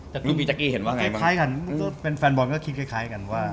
แต่กลุ่มอีจักรีเห็นว่าไงแค่ไงกันเป็นแฟนบอลก็คิดคล้ายกันว่า